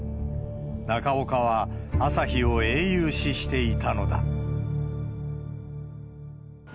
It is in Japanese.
中岡は、朝日を英雄視していたのだ。